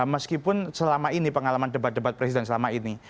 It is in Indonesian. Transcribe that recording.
meskipun selama ini pengalaman debat debat presiden selama ini